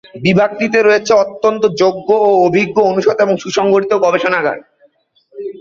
বিভাগটিতে রয়েছে অত্যন্ত যোগ্য ও অভিজ্ঞ অনুষদ এবং সুসংগঠিত গবেষণাগার।